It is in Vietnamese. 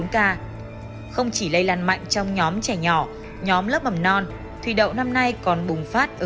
bốn ca không chỉ lây làn mạnh trong nhóm trẻ nhỏ nhóm lớp mầm non thủy đậu năm nay còn bùng phát ở